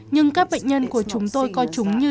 nhưng các bệnh nhân của chúng tôi coi chúng như